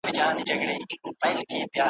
خوشحالي ده کور په کور کلي په کلي